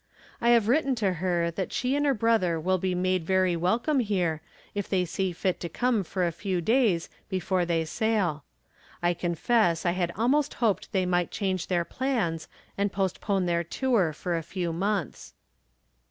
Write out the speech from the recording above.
I have written to her that she and her brother will be made very welcome here if they see fit to come for a few days before they sail. I confess I had almost hoped they might change their plans and postpone their tour for a few months.